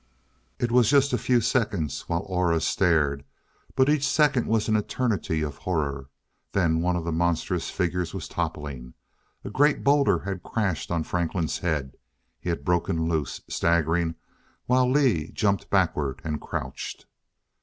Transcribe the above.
It was just a few seconds while Aura stared, but each second was an eternity of horror. Then one of the monstrous figures was toppling. A great boulder had crashed on Franklin's head; he had broken loose, staggering while Lee jumped backward and crouched.